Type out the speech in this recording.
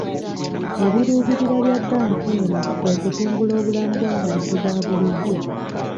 Ebiruubirira bya bbanka eno kwe kutumbula obulamu bw'abantu babulijjo.